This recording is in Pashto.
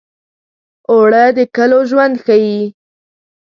اوړه د کلو ژوند ښيي